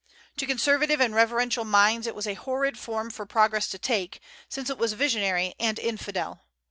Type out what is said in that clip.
To conservative and reverential minds it was a horrid form for progress to take, since it was visionary and infidel.